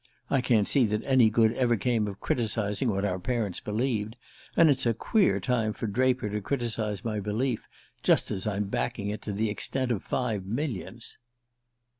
I can't see that any good ever came of criticizing what our parents believed, and it's a queer time for Draper to criticize my belief just as I'm backing it to the extent of five millions."